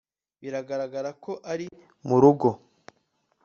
biragaragara ko ari murugo